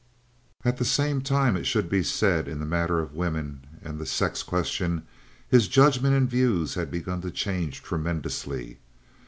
At the same time it should be said, in the matter of women and the sex question, his judgment and views had begun to change tremendously.